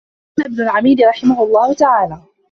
وَقَالَ ابْنُ الْعَمِيدِ رَحِمَهُ اللَّهُ تَعَالَى